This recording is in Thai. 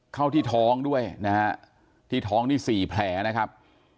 เข้าที่ท้องด้วยนะฮะที่ท้องนี่๔แผลนะครับ